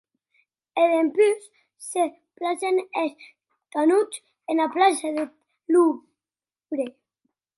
E dempús se placen es canons ena plaça deth Louvre.